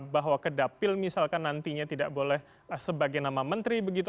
bahwa kedapil misalkan nantinya tidak boleh sebagai nama menteri begitu